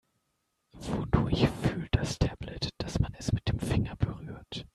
Wodurch fühlt das Tablet, dass man es mit dem Finger berührt?